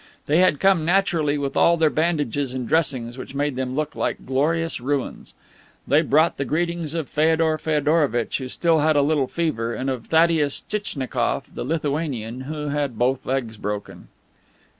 They had come naturally with all their bandages and dressings, which made them look like glorious ruins. They brought the greetings of Feodor Feodorovitch, who still had a little fever, and of Thaddeus Tchitchnikoff, the Lithuanian, who had both legs broken.